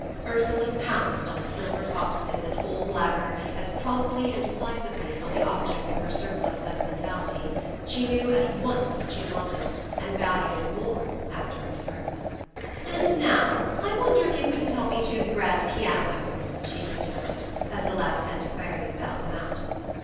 Ursula pounced on silver foxes and old lacquer as promptly and decisively as on the objects of her surplus sentimentality: she knew at once what she wanted, and valued it more after it was hers. "And now I wonder if you couldn't help me choose a grand piano?" she suggested, as the last antiquarian bowed them out.